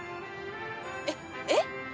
えっえっ？